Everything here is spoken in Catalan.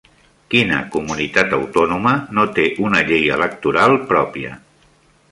Quina comunitat autònoma no té una llei electoral pròpia?